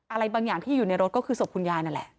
อะไรบางอย่างที่อยู่ในรถก็คือศพคุณยายนั่นแหละ